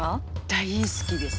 大好きです。